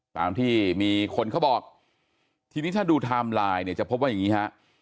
ตามที่มีคนเขาบอกทีนี้ถ้าดูไทม์ไลน์เนี่ยจะพบว่าอย่างนี้ฮะ